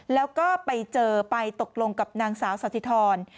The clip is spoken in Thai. แล้วก็ไปเจอไปตกลงกับนางสาวสถิธร